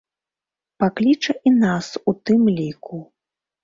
Пакліча і нас, у тым ліку.